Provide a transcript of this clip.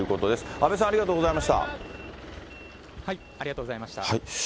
阿部さん、ありがとうございましありがとうございました。